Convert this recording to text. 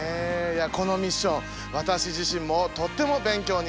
このミッション私自身もとっても勉強になりました。